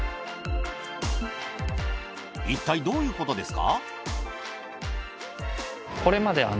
いったいどういうことですか！？